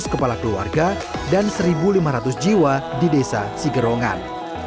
tujuh ratus kepala keluarga dan satu lima ratus jiwa di desa sigerongan